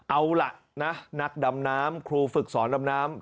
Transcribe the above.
เอาล่ะนะนักดำน้ำครูฝึกสอนดำน้ำ